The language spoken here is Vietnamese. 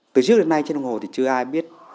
từ trước đến nay trên đồng hồ thì chưa ai biết